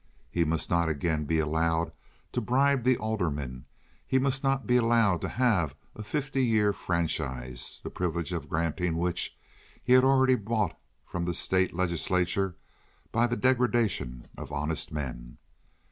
He must not again be allowed to bribe the aldermen; he must not be allowed to have a fifty year franchise, the privilege of granting which he had already bought from the state legislature by the degradation of honest men.